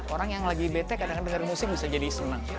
orang yang lagi bete kadang kadang denger musik bisa jadi senang